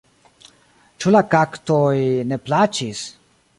Ĉu la kaktoj ne plaĉis?